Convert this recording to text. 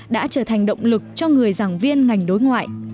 đã trở thành động lực cho người giảng viên ngành đối ngoại